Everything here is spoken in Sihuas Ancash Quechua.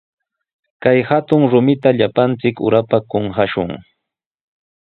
Kay hatun rumita llapanchik urapa kumashun.